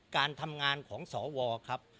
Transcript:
การทำงานของสวครับ